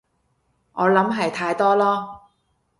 我諗係太多囉